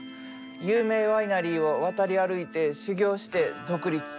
有名ワイナリーを渡り歩いて修業して独立。